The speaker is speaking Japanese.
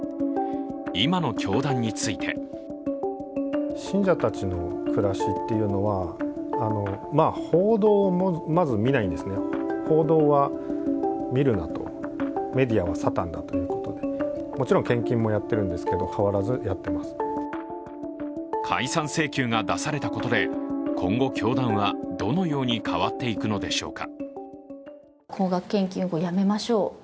今の教団について解散請求が出されたことで今後、教団はどのように変わっていくのでしょうか。